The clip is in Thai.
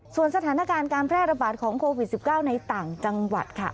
ส่วนสถานการณ์การแพร่ระบาดของโควิด๑๙ในต่างจังหวัดค่ะ